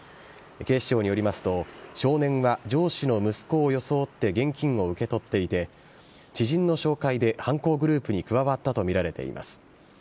警視庁によりますと、少年は上司の息子を装って現金を受け取っていて、知人の紹介で犯行グループに加わったと見られています。